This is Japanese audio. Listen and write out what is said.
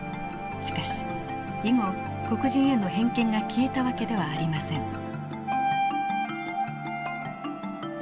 しかし以後黒人への偏見が消えた訳ではありません。